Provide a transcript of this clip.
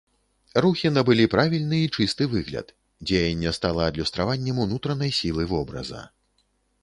Рухі набылі правільны і чысты выгляд, дзеянне стала адлюстраваннем унутранай сілы вобраза.